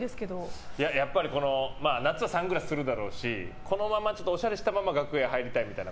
夏はサングラスするだろうしおしゃれしたまま楽屋入りたいみたいな。